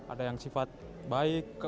ada yang sifat baik